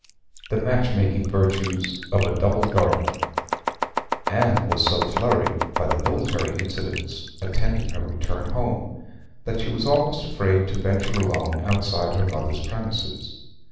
THE MATCH MAKING VIRTUES OF A DOUBLE GARDEN Anne was so flurried by the military incidents attending her return home that she was almost afraid to venture alone outside her mother's premises.